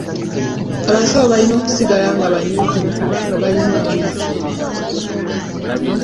Abasawo balina okusigala nga banyiikivu kubanga balina omulimu munene nnyo ogw'okukola.